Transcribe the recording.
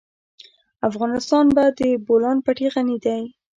افغانستان په د بولان پټي غني دی.